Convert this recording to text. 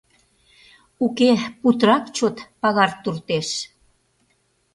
Уке, путырак чот пагар туртеш.